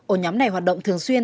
ổ nhóm này hoạt động thường xuyên